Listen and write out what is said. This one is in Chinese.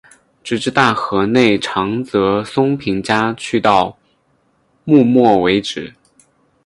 直至大河内长泽松平家去到幕末为止。